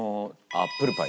アップルパイ。